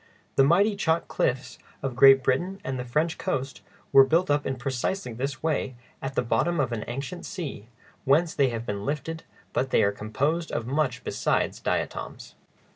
The mighty chalk cliffs of Great Britain and the French coast were built up in precisely this way at the bottom of an ancient sea, whence they have been lifted, but they are composed of much besides diatoms.